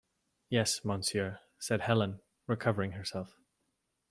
"Yes, monsieur," said Helene, recovering herself.